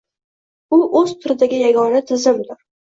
U oʻz turidagi yagona tizimdir.